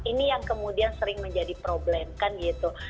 ini yang kemudian sering menjadi problem kan gitu